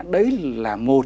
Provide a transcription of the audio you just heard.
đấy là một